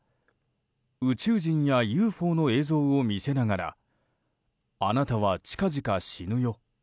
宇宙人やＵＦＯの映像を見せながらあなたは近々死ぬよ。